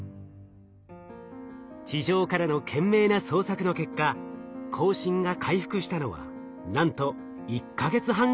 地上からの懸命な捜索の結果交信が回復したのはなんと１か月半後のことでした。